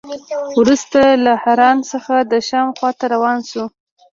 وروسته له حران څخه د شام خوا ته روان شو.